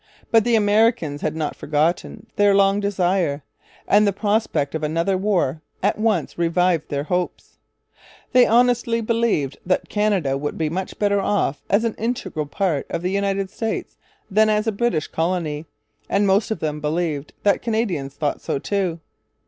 But the Americans had not forgotten their long desire; and the prospect of another war at once revived their hopes. They honestly believed that Canada would be much better off as an integral part of the United States than as a British colony; and most of them believed that Canadians thought so too.